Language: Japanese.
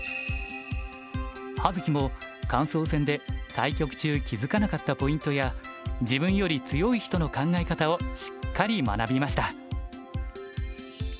葉月も感想戦で対局中気付かなかったポイントや自分より強い人の考え方をしっかり学びました。